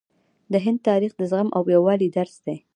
د هند تاریخ د زغم او یووالي درس دی.